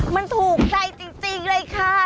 มันถูกใจจริงเลยค่ะ